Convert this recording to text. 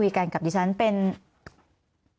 มีความรู้สึกว่าเสียใจ